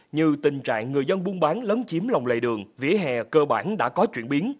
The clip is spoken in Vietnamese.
như tình trạng người dân buôn bán lấn chiếm lòng lề đường vỉa hè cơ bản đã có chuyển biến